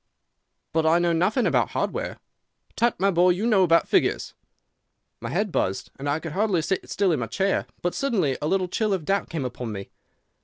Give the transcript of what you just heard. "'But I know nothing about hardware.' "'Tut, my boy; you know about figures.' "My head buzzed, and I could hardly sit still in my chair. But suddenly a little chill of doubt came upon me.